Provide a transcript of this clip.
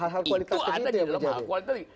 hal hal kualitatif itu yang menjadi